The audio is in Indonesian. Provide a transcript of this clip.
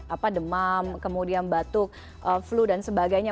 apa demam kemudian batuk flu dan sebagainya